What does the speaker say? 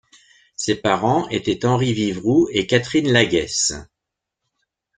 Ses parents étaient Henry Vivroux et Catherine Laguesse.